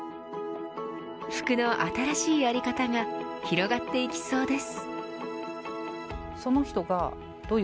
服の新しい在り方が広がっていきそうです。